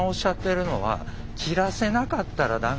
「斬らせなかったらダメ」。